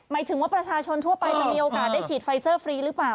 หมายถึงว่าประชาชนทั่วไปจะมีโอกาสได้ฉีดไฟเซอร์ฟรีหรือเปล่า